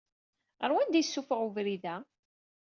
Ɣer wanda i isufuɣ webrid-a?